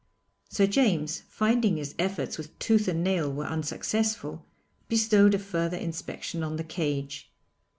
Sir James, finding his efforts with tooth and nail were unsuccessful, bestowed a further inspection on the cage.